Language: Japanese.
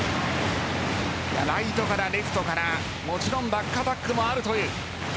ライトから、レフトからもちろんバックアタックもあるという。